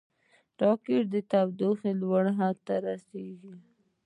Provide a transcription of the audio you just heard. راکټ د تودوخې لوړ حد ته رسېږي